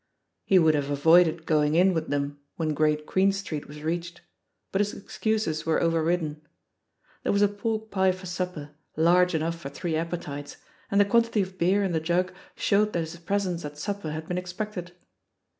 He would have avoided going in with them when Great Queen Street was reached, but his excuses were overridden. There was a pork pie for supper, large enough for three appetites, and the quantity of beer in the jug showed that his presence at supper had been expected.